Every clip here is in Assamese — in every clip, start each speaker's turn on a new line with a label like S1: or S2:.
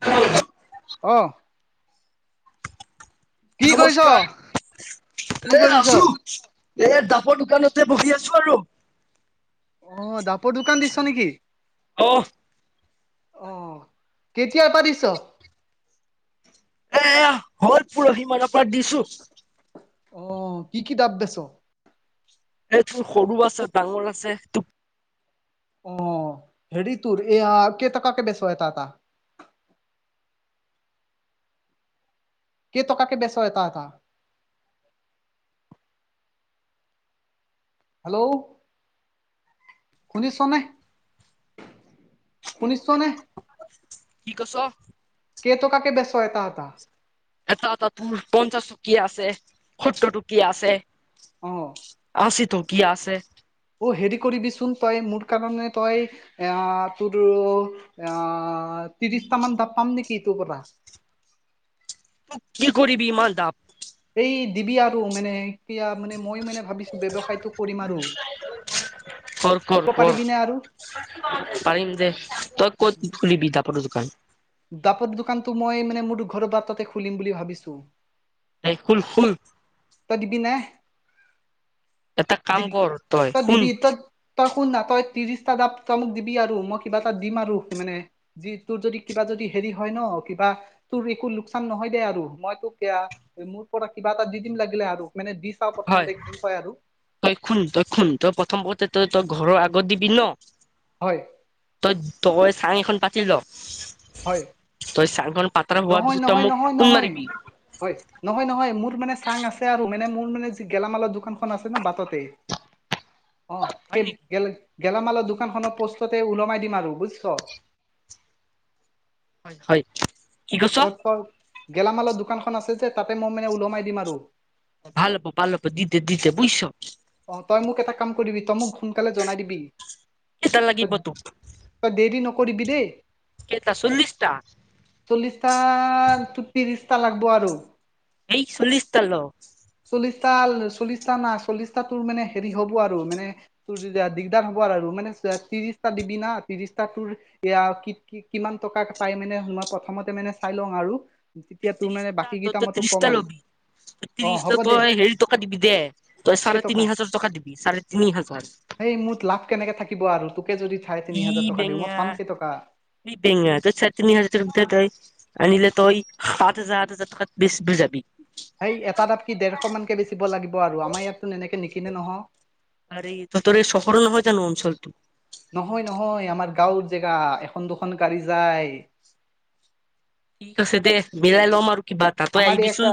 S1: [unintelligible] অ কি কৰিছ
S2: নমস্কাৰ
S1: কি
S2: এ
S1: কৰিছ
S2: আছু এ দাবৰ দোকানতে বহি আছো আৰু।
S1: অহ দাবৰ দোকান দিছ নেকি?
S2: অহ
S1: অ কেতিয়াৰ পা দিছ
S2: এ হ'ল পৰহি মানৰ পৰা দিছো।
S1: অ কি কি দাব বেছ -
S2: এইটো সৰু আছে, ডাঙৰ আছে।
S1: অ হেৰি তোৰ এয়া কে টাকাকে বেছ এটা এটা? কে টকাকে বেছ এটা এটা? হেল্ল' শুনিছনে? শুনিছনে?
S2: কি কছ?
S1: কে টকাকে বেছ এটা এটা?
S2: এটা এটা তোৰ পঞ্চাশ টোকিয়া আছে, সত্তৰ টোকিয়া আছে।
S1: অ
S2: আছি টকীয়া আছে।
S1: অ হেৰি কৰিবিচোন তই মোৰ কাৰণে তই এয়া তোৰ আহ ত্ৰিশটা মান দাব পাম নেকি তো পৰা?
S2: কি কৰিব ইমান ডাব?
S1: এই দিবি আৰু মানে এতিয়া মানে মই মানে ভাবিছো ব্যৱসায়টো কৰিম আৰু।
S2: কৰ কৰ
S1: দিব
S2: কৰ
S1: পাৰিবি নে আৰু।
S2: [unintelligible] পাৰিম যে তই ক'ত ফটো দোকান
S1: দাপৰ দোকানটো মই মানে মোৰ ঘৰ বাটতে তাতে খুলিম বুলি ভাবিছো
S2: এই খুল খুল
S1: তই দিবি নে
S2: এটা কাম
S1: দিবি
S2: কৰ
S1: তই
S2: শুন
S1: দিবি তই তই শুন না তই ত্ৰিশটা দাব তই মোক দিবি আৰু মই কিবা এটা দিম আৰু মানে যি তোৰ যদি কিবা যদি হেৰি হয় ন কিবা তোৰ একো লোকচান নহয় দে আৰু মই তোক এয়া মোৰ পৰা কিবা এটা দি দিম লাগিলে আৰু মানে বিছ টা
S2: হয়
S1: প্ৰথমতে কি হয় আৰু
S2: তই খুন তই খুন তই প্ৰথম মতে তই তই ঘৰৰ আগত দিবি ন
S1: হয়
S2: তই তই চাং এখন পাতি ল
S1: হয়
S2: তই চাঙখন পাত্ৰা হোৱাৰ
S1: নহয়
S2: পিছত তই
S1: নহয়
S2: মোক
S1: নহয়
S2: ফোন
S1: নহয়
S2: মাৰিবি
S1: হয় নহয় নহয় মোৰ মানে চাং আছে আৰু মানে মোৰ মানে যি গেলামালৰ দোকানখন আছে ন বাটতেই অ
S2: হয়
S1: সেই
S2: নেকি
S1: গে গেলামালৰ দোকান খনৰ পোষ্টতে ওলমাই দিম আৰু বুইছ
S2: হয় হয় কি কৈছ
S1: তত গেলামালৰ দোকানখন আছে যে তাতে মই মানে ওলমাই দিম আৰু
S2: ভাল হব ভাল হব দি দে দে বুইছ
S1: অ তই মোক এটা কাম কৰিবি তই মোক সোনকালে জনাই দিবি
S2: কেইটা
S1: তই
S2: লাগিব তোক
S1: তই দেৰি নকৰিবি দেই
S2: কেইটা চল্লিছটা
S1: চল্লিছটা টো ত্ৰিছটা লাগব আৰু
S2: এই চল্লিছশ টা ল
S1: চল্লিশটাল চল্লিশটা নাই চল্লিশটা তোৰ মানে হেৰি হব আৰু মানে তোৰ দিগদাৰ হ'ব আৰু মানে ত্ৰিশটা দিবি না ত্ৰিশটা তোৰ য়া কিমান টকা পাই মানে মই প্ৰথমতে মানে চাই লওঁ আৰু তেতিয়া তোৰ মানে
S2: ত্ৰিশটা
S1: বাকী কেইটা মই তোক কম আৰু অ
S2: ত্ৰিশ
S1: হ'ব
S2: টা
S1: দে
S2: তই হেৰি টকা দিবি দে তই চাৰে
S1: কেইটকা
S2: তিনি হাজাৰ টকা দিবি চাৰে তিনি হাজাৰ
S1: সেই মোৰ লাভ কেনেকে থাকিব আৰু তোকে যদি চাই তিনি
S2: ই
S1: হাজাৰ টকা দিওঁ মই
S2: বেঙা
S1: পাম কেইটকা
S2: এই বেঙা তই চাৰে তিনি হাজাৰ টকাত বেছ তই [unintelligible] আনিলে তই সাত হাজাৰ আঠ হাজাৰ টকাত বেছ ব যাবি
S1: সেই এটা ডাব কি ডেৰশ মান কে বেচিব লাগিব আৰু আমাৰ ইয়াততো এনেকে নিকিনে নহ
S2: আৰে এই তহঁতৰ চহৰ নহয় জানো অঞ্চলটো
S1: নহয় নহয় আমাৰ গাঁৱৰ জেগা এখন দুখন গাড়ী যায়
S2: ঠিক আছে দে মিলাই ল'ম আৰু কিবা এটা তই
S1: আমাৰ
S2: আহিবিচোন
S1: একটা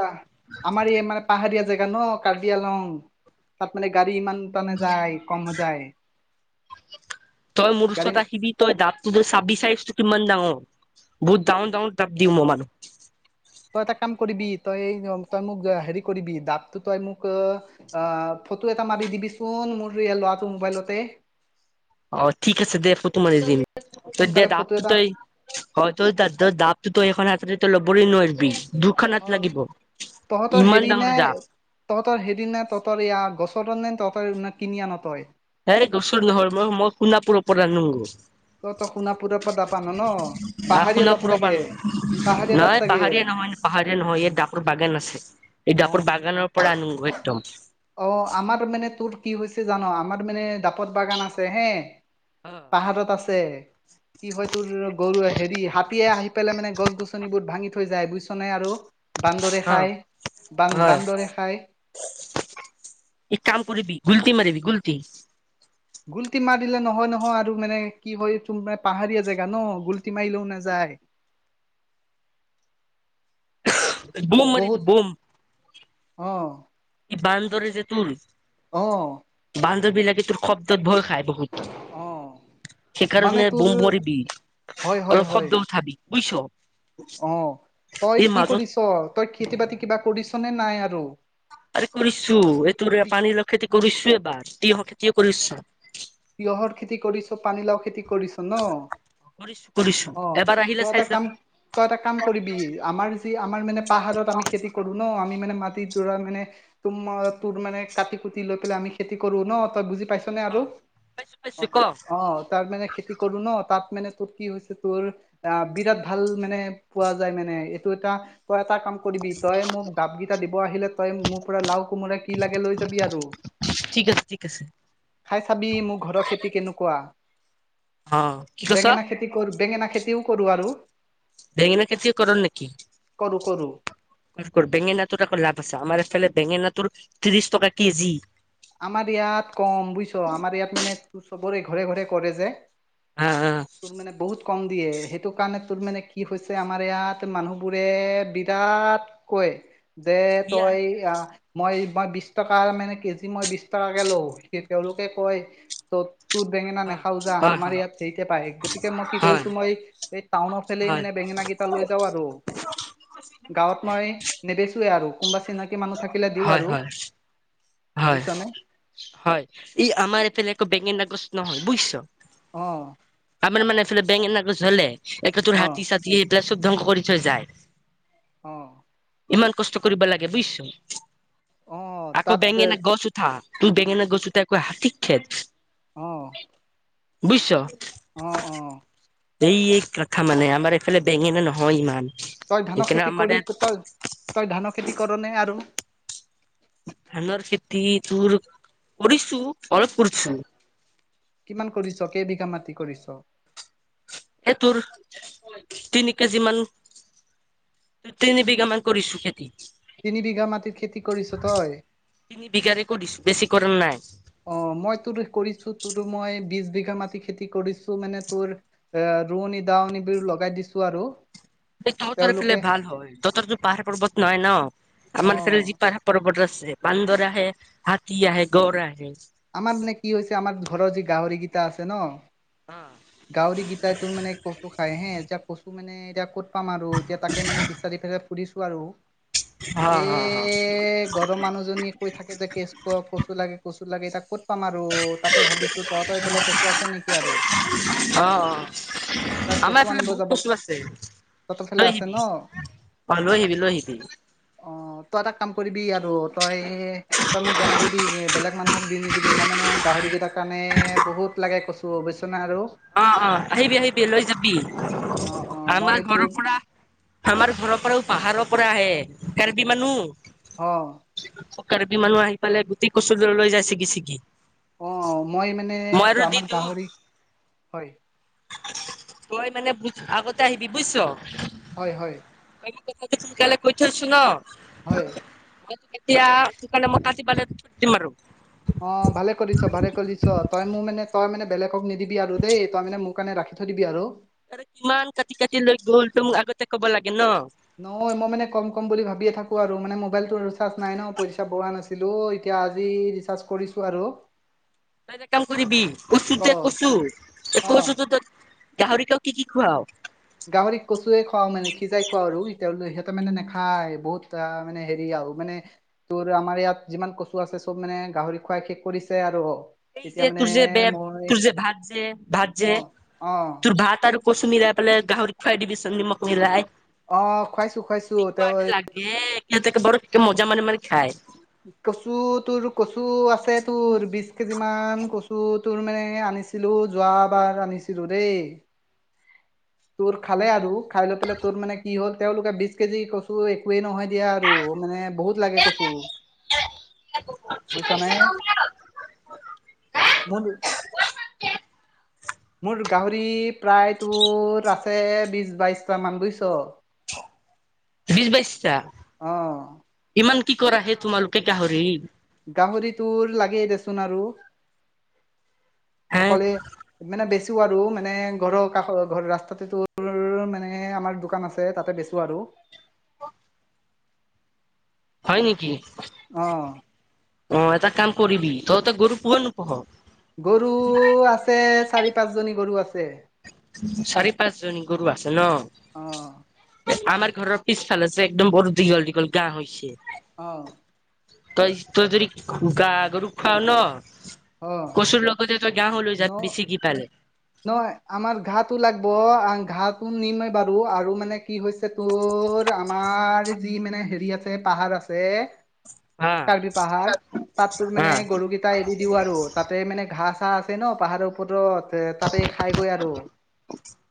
S1: আমাৰ এই মানে পাহাৰীয়া জেগা ন কাৰ্বি আলং তাত মানে গাড়ী ইমান ইমান এটা নাযায় কম যায়
S2: তই মোৰ
S1: গাড়ী
S2: ওচৰত আহিবি তই দাবটো চাবি চাইজ টো কিমান ডাঙৰ বহুত ডাঙৰ ডাঙৰ দাব দিও মই মানুহ
S1: তই এটা কাম কৰিবি তই তই মোক হেৰি কৰিবি দাবটো তই মোক আ ফটো এটা মাৰি দিবিচোন মোৰ এয়া ল'ৰাটো মোবাইলতে
S2: অ ঠিক আছে দে ফটো মাৰি দিম তই দে
S1: সোনকালে
S2: দাব
S1: ফটো
S2: টো
S1: এটা
S2: তই হয় তই তাত তই জাপটোতো তই এখন হাতেদি তই লবৰে নোৱাৰবি দুখন হাত
S1: অ
S2: লাগিব
S1: তহঁতৰ
S2: ইমান
S1: হেৰি নে
S2: ডাঙৰ জাপ
S1: তহঁতৰ হেৰি না তহঁতৰ ইয়াৰ [unintelligible] নে তহঁতৰ [unintelligible] কিনি আন তই
S2: এ গোচুৰ নহৰ মই মই সোণাপুৰৰ পৰা আনো।
S1: তই তই সোণাপুৰৰ পৰা দাব আন ন
S2: আহ
S1: পাহাৰীয়া দাব
S2: সোনাপুৰ
S1: চাগে
S2: পৰা আনো
S1: পাহাৰীয়া দাব
S2: নহয়
S1: চাগে
S2: পাহাৰীয়া নহয় ন পাহাৰীয়া নহয় ইয়াত ডাপৰ বাগান আছে এই
S1: অ
S2: ডাপৰ বাগানৰ পৰা আনো একদম
S1: অ আমাৰ মানে তোৰ কি হৈছে জান আমাৰ মানে ডাপ- পত বাগান আছে হে
S2: অ
S1: পাহাৰত আছে। কি হয় তোৰ গৰুৱে হেৰি হাতীয়ে আহি পেলাই মানে গছ-গছনিবোৰ ভাঙি থৈ যায় বুইছ নে আৰু। বান্দৰে
S2: অ
S1: খাই বান্
S2: হয়
S1: বান্দৰে খাই।
S2: এক কাম কৰিবি গোলটি মাৰিবি গোলটি
S1: গুলটি মাৰ দিলে নহয় নহয় আৰু মানে কি হয় তো মানে পাহাৰীয়া জেগা ন গুলটি মাৰিলেও নেযায়।
S2: বম
S1: [inaudible]
S2: মাৰিবি
S1: বহুত
S2: বম
S1: অ
S2: ই বান্দৰে যে তোৰ
S1: অ
S2: বান্দৰ বিলাকে তোৰ শব্দত ভয় খায় বহুত
S1: অ মানে
S2: সেইকাৰণে
S1: তোৰ
S2: বোম বৰিবি
S1: হয় হয়
S2: অলপ
S1: হয়
S2: শব্দ উঠাবি বুইছ
S1: অ তই কি কৰিছ তই খেতি-বাতি কিবা কৰিছ নে নাই আৰু
S2: আৰে কৰিছো এইটোৰে
S1: কি
S2: পানী লাও খেতি কৰিছো এবাৰ তিয়হ খেতিয়ে কৰিছো।
S1: তিয়ঁহৰ খেতি কৰিছ, পানীলাও খেতি কৰিছ ন
S2: কৰিছো কৰিছো
S1: অ
S2: এবাৰ
S1: তই
S2: আহিলে
S1: এটা
S2: চাই
S1: কাম
S2: যাবি
S1: তই এটা কাম কৰিবি আমাৰ যি আমাৰ মানে পাহাৰত আমি খেতি কৰো ন আমি মানে মাটি দৰা মানে তো ম তোৰ মানে কাটি কুটি লৈ পেলাই আমি খেতি কৰো ন তই বুজি পাইছ নে
S2: অ
S1: আৰু
S2: পাইছো
S1: অ
S2: পাইছো ক
S1: অ তাৰ মানে খেতি কৰো ন তাত মানে তোৰ কি হৈছে তোৰ আহ বিৰাট ভাল মানে পোৱা যায় মানে এইটো এটা পৰা এটা কাম কৰিবি তই মোক ডাপকেইটা দিব আহিলে তই মোৰ পৰা লাও, কোমোৰা কি লাগে লৈ যাবি আৰু।
S2: ঠিক আছে ঠিক আছে।
S1: খাই চাবি মোৰ ঘৰৰ খেতি কেনেকুৱা
S2: অ কি কৈছ
S1: বেঙেনা খেতি কৰো বেঙেনা খেতিও কৰো আৰু।
S2: বেঙেনা খেতিও কৰ নেকি
S1: কৰো কৰো
S2: ইফ কৰ বেঙেনাটোৰ আকৌ লাভ আছে আমাৰ এইফালে বেঙেনাটোৰ ত্ৰিশ টকা কেজি
S1: আমাৰ ইয়াত কম বুইছ আমাৰ ইয়াত মানে চবৰে ঘৰে ঘৰে কৰে যে
S2: আ আ
S1: তোৰ মানে বহুত কম দিয়ে সেইটো কাৰণে তোৰ মানে কি হৈছে আমাৰ ইয়াত মানুহবোৰে বি- ইয়াত কয় যে
S2: ইয়া
S1: তই আ মই মই বিছ টকা মানে কে- জি মই বিছ টাকাকে লও সে তেওঁলোকে কয় ত' তোৰ বেঙেনা
S2: অ
S1: নাখাওঁ যা
S2: হয় হয়
S1: আমাৰ ইয়াত সেৰিতে পায় গতিকে মই কি
S2: হয়,
S1: কৰিছো মই এই টাউনৰ ফেলেই
S2: হয়,
S1: মানে বেঙেনা কি- তা লৈ যাওঁ আৰু গাঁৱত মই নেবেচোৱে আৰু কোনোবা চিনা- কি মানুহ থাকিলে দিওঁ
S2: হয়,
S1: আৰু।
S2: হয়, হয়
S1: বুজিছানে
S2: হয় ই আমাৰ এইফালে আকৌ বেঙেনা গছ নহয় বুইছ।
S1: অ
S2: আমাৰ মানে এইফালে বেঙেনাগছ হ'লে এক তোৰ
S1: অ
S2: হাতী চাতি সেইবিলাক চব ধ্বংস কৰি থৈ যায়।
S1: অহ
S2: ইমান কষ্ট কৰিব লাগে বুজিছ?
S1: অ'।
S2: আকৌ
S1: তাত
S2: বেঙেনা গছ উঠা, তোৰ বেঙেনা গছ আকৌ হাতীক খেদ।
S1: অ'।
S2: বুইছ?
S1: অ', অ'।
S2: এই এক কখা মানে আমাৰ এইফালে বেঙেনা নহয় ইমান।
S1: তই ধানৰ
S2: সেইকাৰণে
S1: খেতি
S2: আমাৰ
S1: কৰি
S2: ইয়াত
S1: তই, তই ধানৰ খেতি কৰনে আৰু?
S2: ধানৰ খেতি তোৰ কৰিছোঁ, অলপ কৰিছোঁ।
S1: কিমান কৰিছ? কেইবিঘা মাটি কৰিছ?
S2: এ, তোৰ তিনি কেজি মান। তিনি বিঘা মান কৰিছোঁ খেতি।
S1: তিনি বিঘা মাটিত খেতি কৰিছ তই?
S2: তিনি বিঘাৰে কৰিছোঁ, বেছি কৰা নাই।
S1: অ' মই তোৰ কৰিছোঁ তোৰ মই বিশ বিঘা মাটি খেতি কৰিছোঁ মানে তোৰ এ, ৰোঁৱনী দাৱনীবোৰ লগাই দিছোঁ আৰু।
S2: তহঁতৰ ফালে
S1: তেওঁলোকে
S2: ভাল হয়, তহঁতৰতো পাহাৰ পৰ্বত নহয় ন'
S1: অ
S2: আমাৰ ফালে যি পাহ পৰ্বত আছে। বান্দৰ আহে, হাতী আহে, গড় আহে।
S1: আমাৰ মানে কি হৈছে, আমাৰ ঘৰৰ যি গাহৰিকেইটা আছে ন'
S2: অ'।
S1: গাহৰিকেইটাই তোৰ মানে কচু খাই হে, এতিয়া কচু মানে এতিয়া ক'ত পাম আৰু, এতিয়া তাকে মানে বিচাৰি পে সুধিছোঁ আৰু।
S2: হ,
S1: এ
S2: হ, হ।
S1: ঘৰৰ মানুহজনীয়ে কৈ থাকে যে কেচ কচু লাগে কচু লাগে এতিয়া ক'ত পাম আৰু তাকে ভাবিছোঁ। তহঁতৰ এইফালে কচু আছে নেকি আৰু?
S2: অ', অ'
S1: তাক
S2: আমাৰ
S1: কচু
S2: এইফালে
S1: আনিব
S2: বহুত
S1: যাব
S2: কচু আছে,
S1: তহঁতৰ ফালে
S2: লৈ
S1: আছে
S2: আহিবি।
S1: ন
S2: অ' লৈ আহিবি, লৈ আহিবি।
S1: অ' তই এটা কাম কৰিবি আৰু, তই তই মোক জনাই দিবি, বেলেগ মানুহক দি নি দিবি মই মানে গাহৰিকেইটাৰ কাৰণে বহুত লাগে কচু বুজিছ নে আৰু?
S2: অ', অ' আহিবি আহিবি, লৈ যাবি,
S1: অ অ মই
S2: আমাৰ
S1: এইটো
S2: ঘৰৰ পৰা আমাৰ ঘৰৰপৰাও পাহাৰৰ পৰা আহে, কাৰ্বি মানুহ।
S1: অ'।
S2: কাৰ্বি মানুহ আহি পেলাই গোটেই কচু ল-লৈ যায় ছিগি ছিগি।
S1: অ' মই মানে
S2: মই আৰু দি
S1: আমাৰ
S2: দিওঁ
S1: গাহৰি, হয়।
S2: তই মানে বুত আগতে আহিবি বুইছ?
S1: হয় হয়।
S2: [unintelligible] সোনকালে কৈ থৈছোঁ ন'।
S1: হয়।
S2: [unintelligible] এতিয়া তোৰ কাৰণে মই কাটি পেলাই থৈ দিম আৰু।
S1: অ' ভালে কৰিছ, ভালে কৰিছ, তই মোক মানে তই মানে বেলেগক নিদিবি আৰু দেই, তই মানে মোক কাৰনে ৰাখি থৈ দিবি আৰু।
S2: আৰু কিমান কাটি কাটি লৈ গ'ল, তই মোক আগতে ক'ব লাগে ন'।
S1: নহয় মই মানে কম কম বুলি ভাবিয়ে থাকোঁ আৰু, মানে মোবাইলটো ৰিচাৰ্জ নাই ন' পইচা ভৰোৱা নাছি ছিলো, এতিয়া আজি ৰিচাৰ্জ কৰিছোঁ আৰু।
S2: তই এটা কাম কৰিবি কচু
S1: অ
S2: দে কচু, এই
S1: অ
S2: কচু ত, গাহৰিক আ, কি কি খোৱাও?
S1: গাহৰিক কচুৱে খুৱাওঁ মানে সিজাই খুৱাওঁ আৰু সিহঁতৰ মানে নেখায়, বহুত মানে হেৰি আৰু মানে তোৰ আমাৰ ইয়াত যিমান কচু আছে চব মানে গাহৰি খুৱাই শেষ কৰিছে আৰু।
S2: এই
S1: এতিয়া
S2: যে
S1: মানে
S2: তোৰ যে বেত,
S1: মই
S2: তোৰ যে, ভাত যে ভাত
S1: অ
S2: যে,
S1: অ
S2: তোৰ ভাত আৰু কচু মিলাইপেলাই গাঁহৰিত খুৱাই ডিবিচোন নিমখ মিলাই
S1: অৱ খুৱাইছো খুৱাইছো তেওঁ
S2: এ এ বাৰু কে মজা মানি মাৰি খায়।
S1: কচু তোৰ কচু আছে তোৰ বিশ কেজি মান কচু তোৰ মানে আনিছে। ছিলো যোৱাবাৰ আনিছিলো দেই। তোৰ খালে আৰু খাই লৈ পেলাই তোৰ মানে কি হ'ল তেওঁলোকে বি কেজি কচু একোৱে নহয়। দিয়া আৰু মানে বহুত লাগে কচু।
S2: [unintelligible] গম [unintelligible]
S1: মই তুৰ মোৰ গাহৰি প্ৰায় তোৰ আছে বিশ বাইশটা মান বুইছ।
S2: বিছ বাইচতা।
S1: অৱ।
S2: ইমান কি কৰা হে তোমালোকে গাহৰি?
S1: গাহৰিটোৰ লাগেই দেচোন আৰু,
S2: হে
S1: অকলে মানে বেছিও আৰু মানে ঘৰৰ কাষ ঘ ৰাস্তাতে তোৰ মানে আমাৰ দোকান আছে তাতে বেচো আৰু।
S2: হয় নেকি।
S1: অৱ।
S2: অৱ এটা কাম কৰিবি তই ত গৰু পুহ নোপুহ?
S1: গৰু আছে চাৰি পাঁচ জনী গৰু আছে।
S2: চাৰি পাঁচজনী গৰু আছে ন।
S1: অ
S2: আমাৰ ঘৰৰ পিছফালে আ যে একদম বৰ দীঘল দীঘল গা হৈছে।
S1: অৱ।
S2: তই তই যদি গা গৰু খোৱাও ন।
S1: অ
S2: কচুৰ লগতে তই গা হো লৈ
S1: ন
S2: যা বেছিকি পালে।
S1: নহয় আমাৰ ঘাটো লাগব ঘাটো নিমে বাৰু আৰু মানে কি হৈছে। তোৰ আমাৰ যি মানে হেৰি আছে, পাহাৰ আছে।
S2: হা
S1: কাৰ্বি পাহাৰ পাত তোৰ
S2: হা
S1: মানে গৰুগীত এটা এৰি দিও আৰু তাতে মানে ঘাঁহ চাহ আছে ন পাহাৰৰ ওপৰত তাতে খাই গৈ আৰু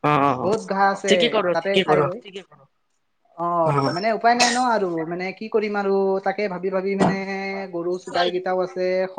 S2: অ অ অ
S1: বহুত ঘাঁহ আছে।
S2: ঠিকে কৰ
S1: তাতে
S2: ঠিকে কৰ
S1: খাইগৈ,
S2: ঠিকে কৰ
S1: অৱ
S2: অ
S1: মানে উপায় নাই ন আৰু মানে কি কৰিম আৰু তাকে ভাবি ভাবি মানে গৰু চগাই কেইটাও আছে।